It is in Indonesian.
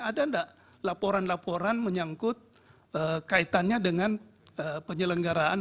ada nggak laporan laporan menyangkut kaitannya dengan penyelenggaraan